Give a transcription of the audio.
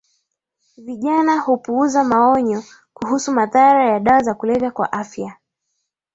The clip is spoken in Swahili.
vijana hupuuza maonyo kuhusu madhara ya dawa za kulevya kwa afya